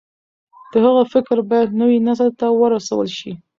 د هغه فکر بايد نوي نسل ته ورسول شي.